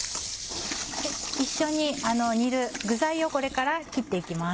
一緒に煮る具材をこれから切って行きます。